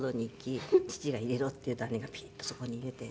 父が「入れろ」って言うと姉がピュッとそこに入れて。